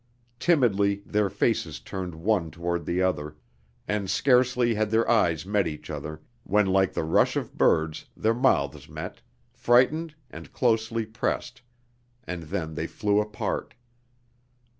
Timidly their faces turned one toward the other; and scarcely had their eyes met each other, when like the rush of birds their mouths met, frightened and closely pressed and then they flew apart.